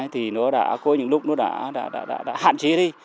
thì nó đã có những lúc nó đã hạn chế đi